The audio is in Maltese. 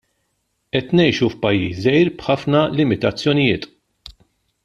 Qed ngħixu f'pajjiż żgħir b'ħafna limitazzjonijiet.